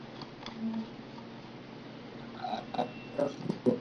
প্রায় দুই বছর আগে সেখানে বাড়ি তৈরি করে ভাড়া দেওয়া শুরু হয়।